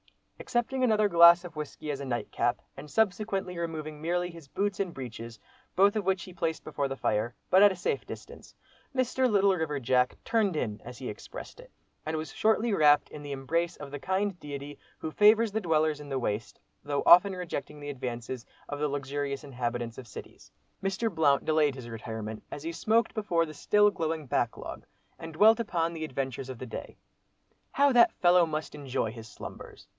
Accepting another glass of whisky as nightcap, and subsequently removing merely his boots and breeches, both of which he placed before the fire, but at a safe distance, Mr. "Little River Jack" "turned in" as he expressed it, and was shortly wrapped in the embrace of the kind deity who favours the dwellers in the Waste, though often rejecting the advances of the luxurious inhabitants of cities. Mr. Blount delayed his retirement, as he smoked before the still glowing "back log" and dwelt upon the adventures of the day. "How that fellow must enjoy his slumbers!"